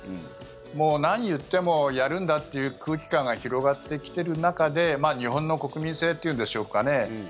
もう何言ってもやるんだという空気感が広がってきてる中で日本の国民性というんでしょうかね。